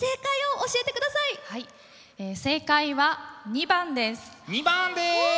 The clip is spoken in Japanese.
正解は２番です。